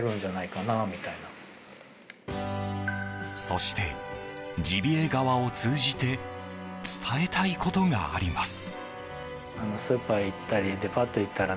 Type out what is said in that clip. そして、ジビエ革を通じて伝えたいことがあります。